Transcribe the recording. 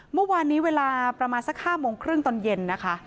เมื่อวานนี้เวลาประมาณสัก๕โมงครึ่งตอนเย็นนะคะ